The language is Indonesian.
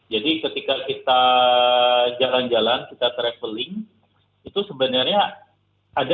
jadi ketika kita jalan jalan kita travelling itu sebenarnya ada nggak sih pos belanja